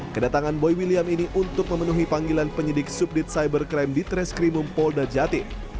kedatangan boy william ini untuk memenuhi panggilan penyidik subdit cybercrime di treskrimum polda jatim